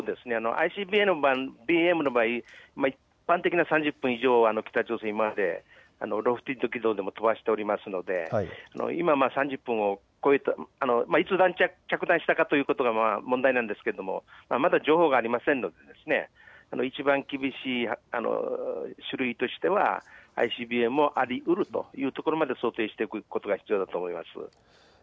ＩＣＢＭの場合、一般的な３０分以上、北朝鮮、今までロフテッド軌道で飛ばしておりますのでいつ着弾したかということが問題なんですがまだ情報がありませんのでいちばん厳しい種類としてはＩＣＢＭもありうるというところまで想定しておくことが必要だと思います。